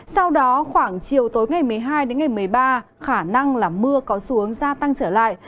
sau đó khoảng chiều tối ngày một mươi hai đến ngày một mươi ba khả năng là mưa có xuống gia tăng trở lại